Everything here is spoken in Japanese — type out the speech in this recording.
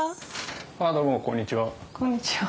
ああどうもこんにちは。